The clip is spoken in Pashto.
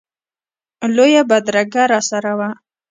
لویه بدرګه راسره وه.